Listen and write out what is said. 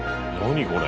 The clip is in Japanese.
これ。